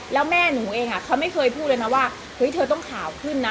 แล้วแม่หนูเองเขาไม่เคยพูดเลยนะว่าเฮ้ยเธอต้องข่าวขึ้นนะ